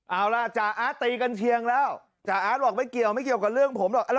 เอาล่ะจ่าอาร์ตตีกันเชียงแล้วจ่าอาร์ตบอกไม่เกี่ยวไม่เกี่ยวกับเรื่องผมหรอก